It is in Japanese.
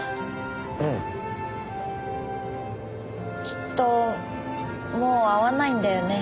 きっともう会わないんだよね？